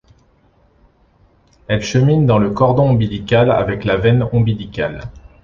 Elles cheminent dans le cordon ombilical avec la veine ombilicale.